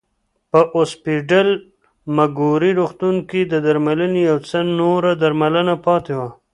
په اوسپیډل مګوري روغتون کې د درملنې یو څه نوره درملنه پاتې وه.